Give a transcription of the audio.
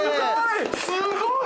すごい！